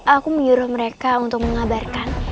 aku menyuruh mereka untuk mengabarkan